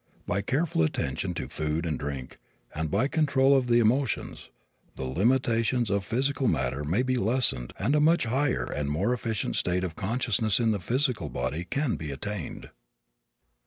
By careful attention to food and drink, and by control of the emotions, the limitations of physical matter may be lessened and a much higher and more efficient state of consciousness in the physical body can be attained.